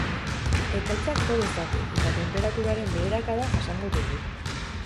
Ekaitzak jo dezake eta tenperaturaren beherakada jasango dugu.